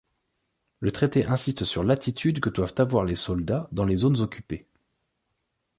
Le traité insiste sur l'attitude que doivent avoir les soldats dans les zones occupées.